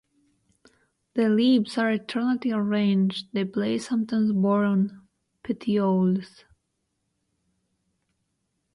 The leaves are alternately arranged, the blades sometimes borne on petioles.